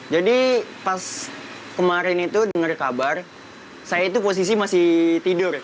jadi pas kemarin itu dengar kabar saya itu posisi masih tidur